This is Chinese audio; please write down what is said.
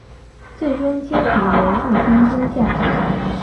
最终阶级为陆军中将。